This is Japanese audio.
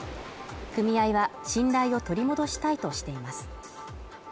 組合は、信頼を取り戻したいとしています。